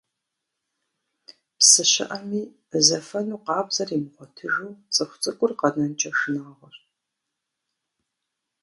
Псы щыӀэми, зэфэну къабзэр имыгъуэтыжу цӀыху цӀыкӀур къэнэнкӀэ шынагъуэщ.